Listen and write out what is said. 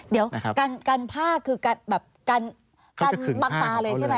เดี๋ยวการผ้าคือแบบกันบังตาเลยใช่ไหม